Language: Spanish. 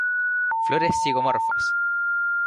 Flores zigomorfas.